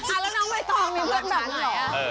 อ่ะแล้วน้องบ๊วยตรองมีเพื่อนแบบนั้นเหรอ